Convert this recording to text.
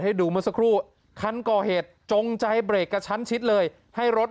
ให้ดูเมื่อสักครู่คันก่อเหตุจงใจเบรกกระชั้นชิดเลยให้รถ